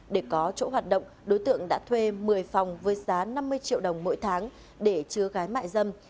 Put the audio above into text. để có chỗ hoạt động đối tượng đã thuê một mươi phòng với giá năm mươi triệu đồng mỗi tháng để chứa gái mại dâm